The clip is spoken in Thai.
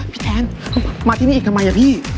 พี่แทนมาที่นี่จำไม่อะพี่